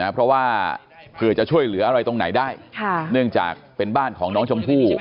เพราะว่าเผื่อจะช่วยเหลืออะไรตรงไหนได้เนื่องจากเป็นบ้านของน้องชมพู่